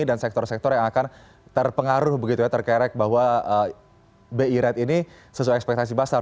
dan sektor sektor yang akan terpengaruh terkerek bahwa bi rate ini sesuai ekspektasi besar